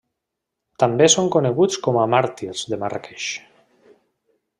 També són coneguts com a màrtirs de Marràqueix.